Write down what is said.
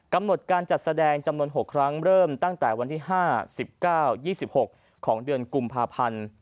กำหนดการจัดแสดงจำนวน๖ครั้งเริ่มตั้งแต่วันที่๕๙๒๖ของเดือนกุมภาพันธ์